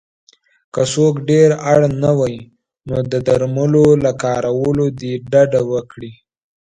که څوک ډېر اړ نه وی نو د درملو له کارولو دې ډډه وکړی